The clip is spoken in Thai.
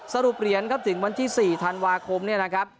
สรุปเหรียญครับถึงวันที่๔ธันวาคมเนี่ยนะครับ